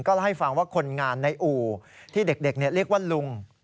เล่าให้ฟังว่าคนงานในอู่ที่เด็กเรียกว่าลุง